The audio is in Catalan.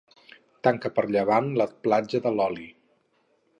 Tanca per llevant la Platja de l'Oli.